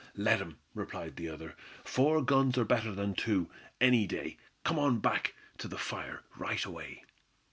"Let 'em," replied the other, "four guns are better than two, any day. Come on back to the fire right away."